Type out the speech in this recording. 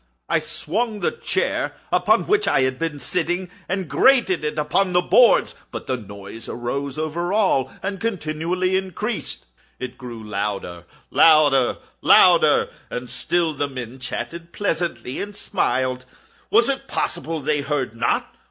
I swung the chair upon which I had been sitting, and grated it upon the boards, but the noise arose over all and continually increased. It grew louder—louder—louder! And still the men chatted pleasantly, and smiled. Was it possible they heard not?